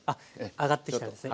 上がってきたらですね。